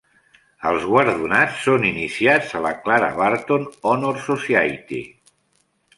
Els guardonats són iniciats a la Clara Barton Honor Society.